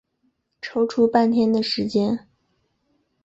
抽出半天的时间